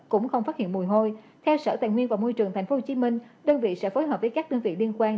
cũng không phát hiện mùi hôi theo sở tài nguyên và môi trường tp hcm đơn vị sẽ phối hợp với các đơn vị liên quan